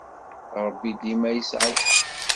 Ṛebbi dima yesɛa lḥeqq.